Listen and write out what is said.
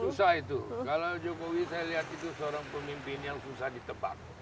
susah itu kalau jokowi saya lihat itu seorang pemimpin yang susah ditebak